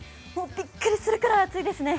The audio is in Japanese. びっくりするくらい暑いですね。